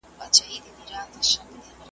د سباوون په انتظار چي ومه .